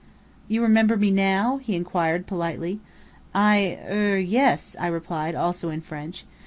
"You remember me now?" he inquired politely. "I er yes," I replied, also in French.